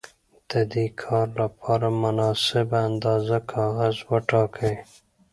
د دې کار لپاره مناسبه اندازه کاغذ وټاکئ.